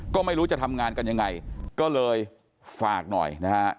ก็ไม่รู้จะทำงานกันยังไงก็เลยฝากหน่อยนะฮะ